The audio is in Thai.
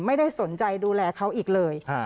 ไม่ได้สนใจดูแลเขาอีกเลย